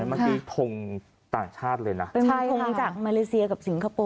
เป็นอะไรมักที่ทงต่างชาติเลยนะเป็นมุมทงจากมาเลเซียกับสิงคโปร์